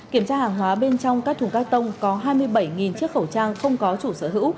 kiểm tra hàng hóa bên trong các thùng các tông có hai mươi bảy chiếc khẩu trang không có chủ sở hữu